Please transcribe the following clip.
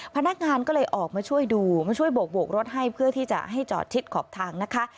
พนักงานก็เลยออกมาช่วยดูมาช่วยโบกรถให้เพื่อที่จะให้จอดชิดขอบทางนะคะ